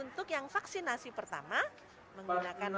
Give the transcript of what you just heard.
untuk yang vaksinasi pertama menggunakan